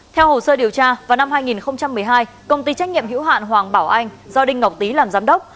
theo hồ sơ điều tra vào năm hai nghìn một mươi hai công ty trách nhiệm hữu hạn hoàng bảo anh do đinh ngọc tý làm giám đốc